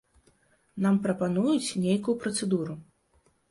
Нам прапануюць нейкую працэдуру.